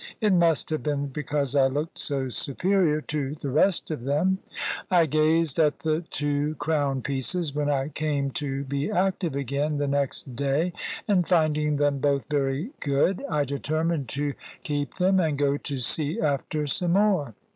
It must have been because I looked so superior to the rest of them. I gazed at the two crown pieces, when I came to be active again the next day; and finding them both very good, I determined to keep them, and go to see after some more.